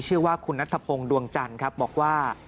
ชื่อว่าคุณนัทพงศ์ดวงจันทร์ครับบอกว่า